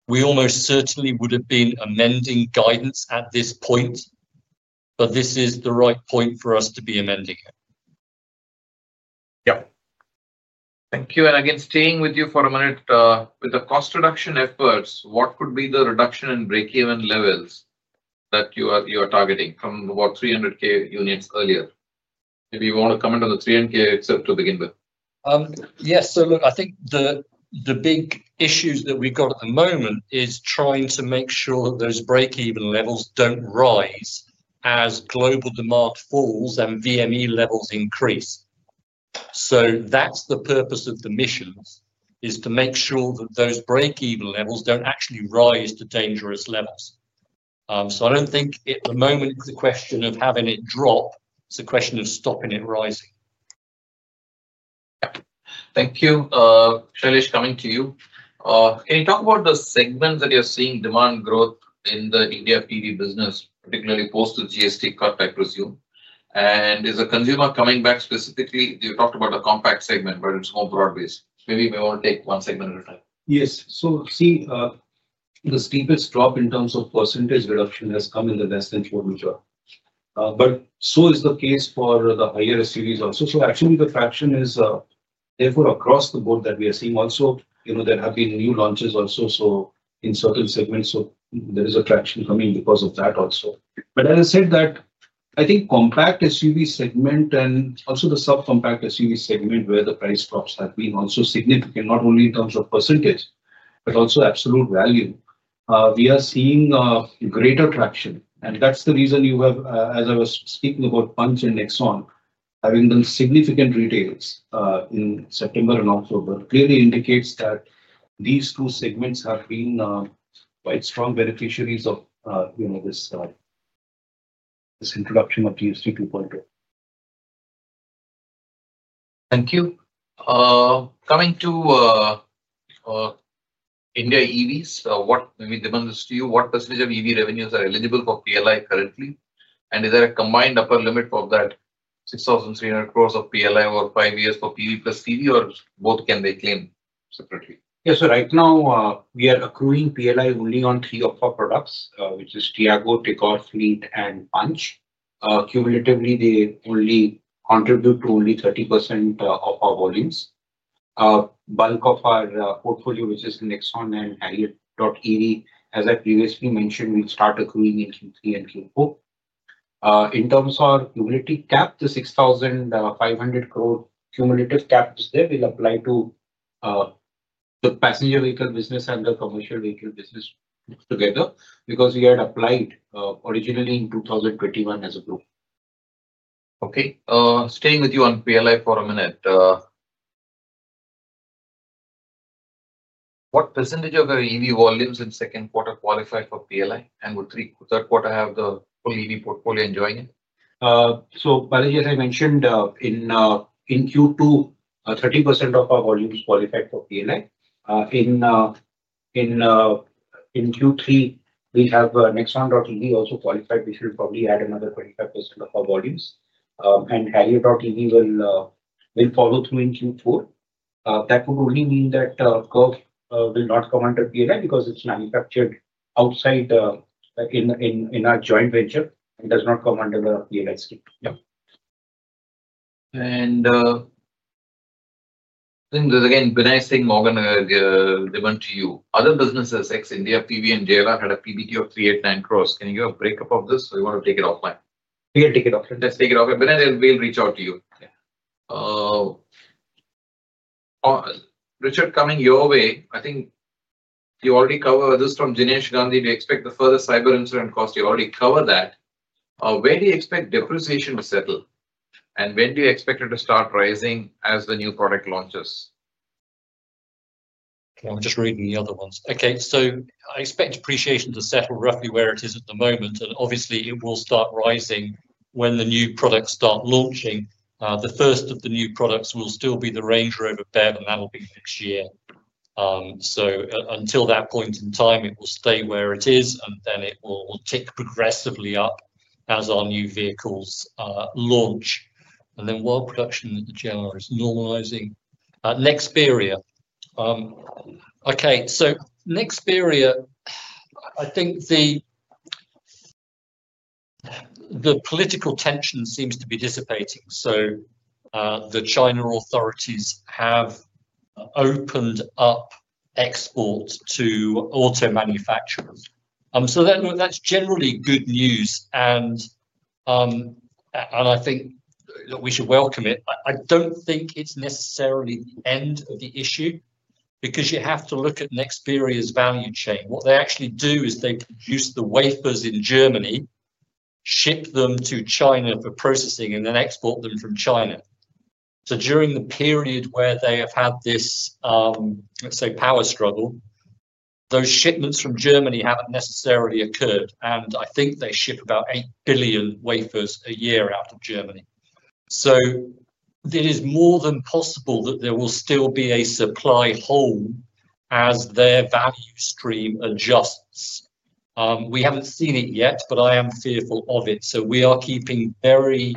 Speaker 3: we almost certainly would have been amending guidance at this point. This is the right point for us to be amending it.
Speaker 5: Yeah, thank you. Again, staying with you for a minute. With the cost reduction efforts, what could be the reduction in break even levels that you are targeting from about 300,000 units earlier? Maybe you want to comment on the 300,000 to begin with.
Speaker 3: Yes. I think the big issues that we've got at the moment is trying to make sure those break even levels don't rise as global demand falls and VME levels increase. That's the purpose of the missions, to make sure that those break even levels don't actually rise to dangerous levels. I don't think at the moment it's a question of having it drop, it's a question of stopping it rising.
Speaker 5: Thank you. Shailesh, coming to you. Can you talk about the segments that you're seeing demand growth in the India PV business, particularly post the GST cut I presume? Is a consumer coming back specifically? You talked about a compact segment, but is it more broad based? Maybe we want to take one segment at a time.
Speaker 4: Yes. See, the steepest drop in terms of percentage reduction has come in the less than 4m. So is the case for the higher SUVs also. Actually, the traction is therefore across the board that we are seeing. Also, there have been new launches also in certain segments, so there is traction coming because of that also. As I said, I think compact SUV segment and also the subcompact SUV segment, where the price drops have been also significant not only in terms of percentage but also absolute value, we are seeing greater traction. That's the reason you have, as I was speaking about, Punch and Nexon having done significant retails in September and October, which clearly indicates that these two segments have been quite strong beneficiaries of, you know, this introduction of GST 2.0.
Speaker 5: Thank you. Coming to India EVs, what maybe demands to you, what percentage of EV revenues are eligible for PLI currently and is there a combined upper limit of that? 6,300 crore of PLI over 5 years for PV plus CV or both. Can they claim separately?
Speaker 2: Yeah. Right now we are accruing PLI only on three of our products, which is Tiago, Tigor, Fleet, and Punch. Cumulatively, they only contribute to only 30% of our volumes. Bulk of our portfolio, which is Nexon and Harrier EV, as I previously mentioned, will start accruing in Q3 and Q4 in terms of cumulative cap. The 6,500 crore cumulative cap is there, will apply to the passenger vehicle business. The commercial vehicle business together because. We had applied originally in 2021 as a group.
Speaker 5: Okay, staying with you on PLI for a minute. What percentage of your EV volumes in second quarter qualify for PLI? And would third quarter have the full EV portfolio? Enjoying it.
Speaker 2: Balaji, as I mentioned, in Q2, 30% of our volumes qualified for PLI. In. In. In Q3 we have Nexon EV also qualified. We should probably add another 25% of. Our volumes and Harrier EV will follow through in Q4. That would only mean that Curvv will not come under PLI because it's manufactured outside like in. In our joint venture. It does not come under the real estate.
Speaker 5: Yeah, and there's again the nice thing Morgan given to you. Other Businesses [X], India PV and JLR had a PBT of 389 crore. Can you break up of this or. You want to take it offline?
Speaker 2: We can take it off.
Speaker 5: Let's take it off. We'll reach out to you. Richard, coming your way. I think you already cover this from Jinesh Gandhi. Do you expect the further cyber incident cost? You already cover that. Where do you expect depreciation to settle and when do you expect it to start rising as the new product launches?
Speaker 3: I'm just reading the other ones. Okay, I expect depreciation to settle roughly where it is at the moment. Obviously, it will start rising when the new products start launching. The first of the new products will still be the Range Rover BEV, and that will be next year. Until that point in time, it will stay where it is and then it will tick progressively up as our new vehicles launch. While production at the General is normalizing next period. Next period, I think the political tension seems to be dissipating. The China authorities have opened up export to auto manufacturers. That is generally good news and I think that we should welcome it. I do not think it is necessarily the end of the issue because you have to look at Nexperia's value chain. What they actually do is they produce the wafers in Germany, ship them to China for processing, and then export them from China. During the period where they have had this, let's say, power struggle, those shipments from Germany have not necessarily occurred. I think they ship about 8 billion wafers a year out of Germany. It is more than possible that there will still be a supply hole as their value stream adjusts. We have not seen it yet, but I am fearful of it. We are keeping very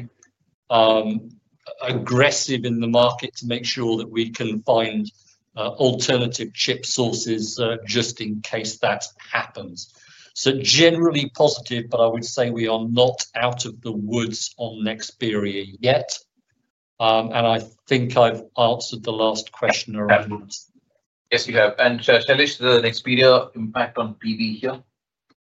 Speaker 3: aggressive in the market to make sure that we can find alternative chip sources just in case that happens. Generally positive, but I would say we are not out of the woods on next period yet. I think I have answered the last question around.
Speaker 5: Yes, you have. Shailesh, the Nexperia impact on PV here.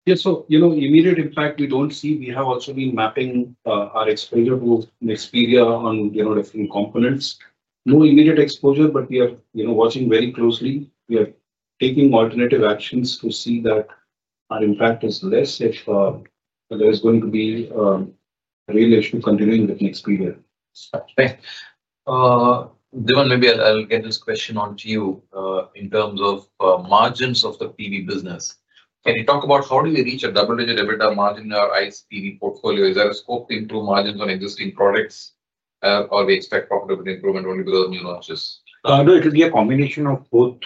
Speaker 4: Yeah. You know, immediate impact we do not see. We have also been mapping our exposure to Nexperia on different components. No immediate exposure, but we are watching very closely. We are taking alternative actions to see that our impact is less if there is going to be real issue continuing with Nexperia. So.
Speaker 5: Maybe I'll get this question on to you. In terms of margins of the PV business, can you talk about how do we reach a double digit EBITDA margin in our ICE PV portfolio? Is there a scope to improve margins on existing products or we expect profitability improvement only because new launches?
Speaker 2: It will be a combination of both.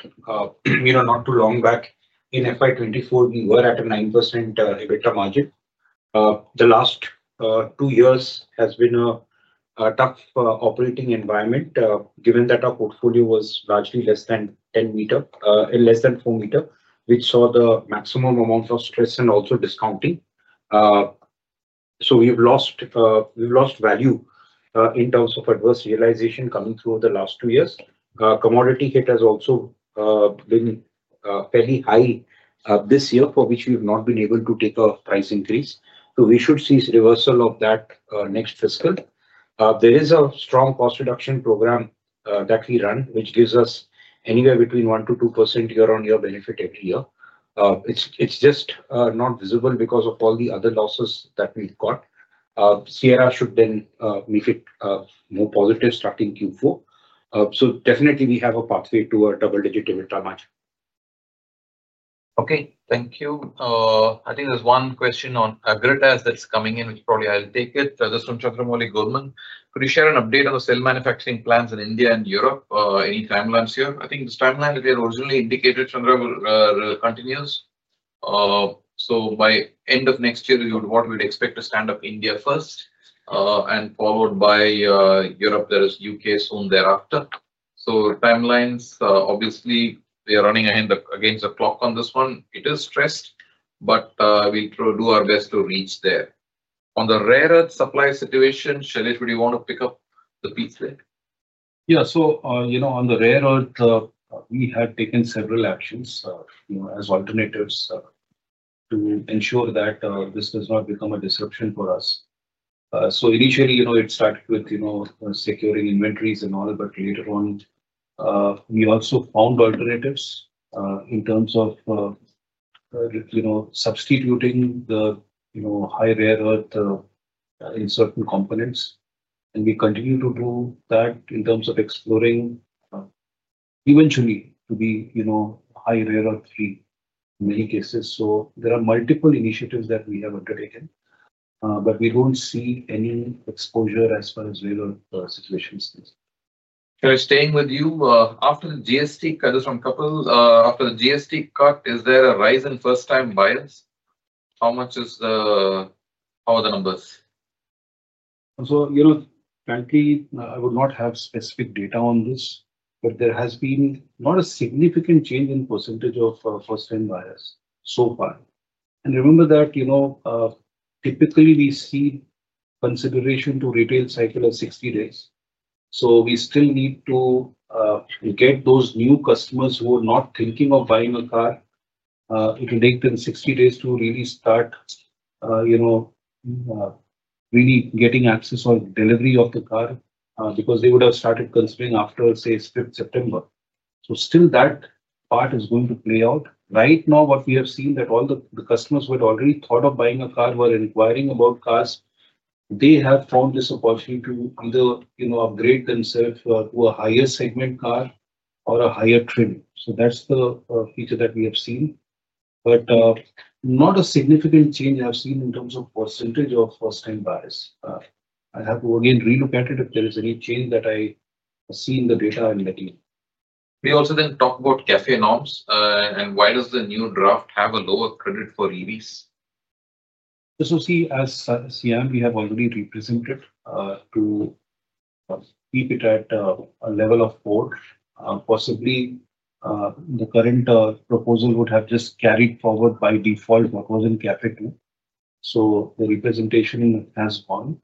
Speaker 2: You know, not too long back in FY2024 we were at a 9% EBITDA margin. The last two years has been a tough operating environment given that our portfolio was largely less than 10m in. Less than 4m which saw the. Maximum amount of stress and also discounting. We have lost, we have lost value in terms of adverse realization coming through the last two years. Commodity hit has also been fairly high this year for which we have not been able to take a price increase. We should see reversal of that next fiscal. There is a strong cost reduction program that we run which gives us anywhere between 1%-2% year on year benefit every year. It's just not visible because of. All the other losses that we've got. Sierra should then make it more positive starting Q4, so definitely we have a pathway to a double digit.
Speaker 5: Okay, thank you. I think there's one question on Agritas that's coming in which probably I'll take it. This is from Chandra. Molly Goldman. Could you share an update on the cell manufacturing plans in India and Europe? Any timelines here? I think this timeline that we had originally indicated continues. So by end of next year, what we'd expect to stand up India first and followed by Europe. There is U.K. soon thereafter. Timelines, obviously we are running ahead against the clock on this one. It is stressed but we do our best to reach there. On the rare earth supply situation, Shailesh, would you want to pick up the [piece]
Speaker 4: Yeah. You know, on the rare earth we had taken several actions as alternatives to ensure that this does not become a disruption for us. Initially, you know, it started with, you know, securing inventories and all, but later on we also found alternatives in terms of, you know, substituting the, you know, high rare earth in certain components and we continue to do that in terms of exploring eventually to be, you know, high rare or three many cases. There are multiple initiatives that we have undertaken, but we do not see any exposure as far as real situations.
Speaker 5: Staying with you after the GST cut, is there a rise in first time buyers? How much is the, how are the numbers?
Speaker 4: You know, frankly I would not have specific data on this, but there has been not a significant change in percentage of first time buyers so far. Remember that, you know, typically we see consideration to retail cycle of 60 days. We still need to get those new customers who are not thinking of buying a car. It will take them 60 days to really start, you know, really getting access on delivery of the car because they would have started considering after, say, 5th September. Still, that part is going to play out right now. What we have seen is that all the customers who had already thought of buying a car were inquiring about cars. They have found this opportunity to either, you know, upgrade themselves to a higher segment car or a higher trim. That's the feature that we have seen but not a significant change I've seen in terms of percentage of first time buyers. I have to again relook at it if there is any change that I see in the data and letting.
Speaker 5: We also then talk about CAFE norms and why does the new draft have a lower credit for EVs.
Speaker 4: See, as CM, we have already represented to keep it at a level of port. Possibly, the current proposal would have just carried forward by default what was in capital. The representation has gone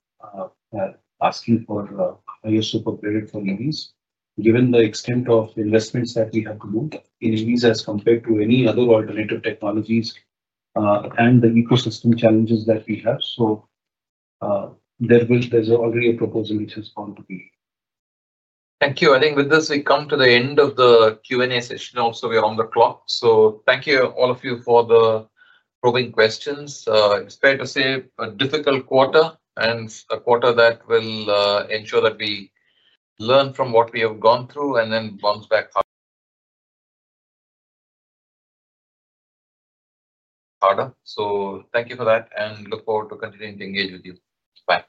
Speaker 4: asking for higher super credit for EVs, given the extent of investments that we have to do in EVs as compared to any other alternative technologies and the ecosystem challenges that we have. There is already a proposal which has gone to be.
Speaker 5: Thank you. I think with this we come to the end of the Q&A session. Also we are on the clock. So. Thank you all of you for the probing questions. It's fair to say a difficult quarter and a quarter that will ensure that we learn from what we have gone through and then bounce back harder. Thank you for that and look forward to continuing to engage with you. Bye.